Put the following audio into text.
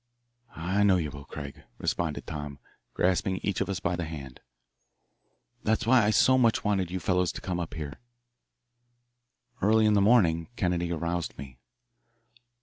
"I know you will, Craig," responded Tom, grasping each of us by the hand. "That's why I so much wanted you fellows to come up here." Early in the morning Kennedy aroused me.